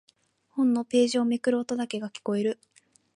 本のページをめくる音だけが聞こえる。